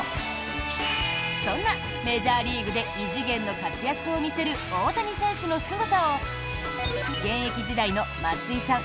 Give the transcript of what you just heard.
そんな、メジャーリーグで異次元の活躍を見せる大谷選手のすごさを現役時代の松井さん